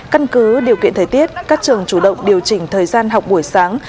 căn cứ điều kiện thời tiết các trường chủ động điều chỉnh thời gian học buổi sáng